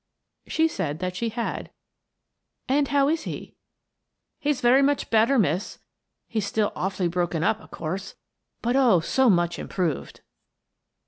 She said that she had. "And how is he?" " He is very much better, miss. He is still aw fully broke up, of course, but, oh, so much im proved